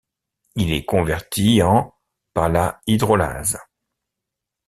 Il est converti en par la hydrolase.